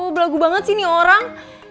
belagu banget sih nih orang